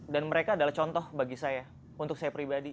dan mereka adalah contoh bagi saya untuk saya pribadi